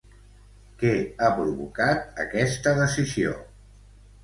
Què ha provocat aquesta decisió?